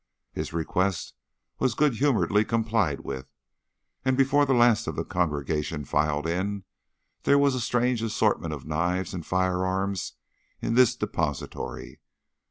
His request was good humouredly complied with, and before the last of the congregation filed in, there was a strange assortment of knives and firearms in this depository.